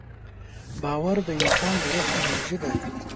باور د انسان د روح انرژي ده.